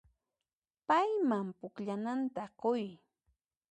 Payman pukllananta quy.